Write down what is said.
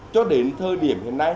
cho đến thời điểm hiện nay